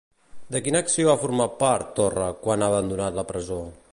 De quina acció ha format part, Torra, quan ha abandonat la presó?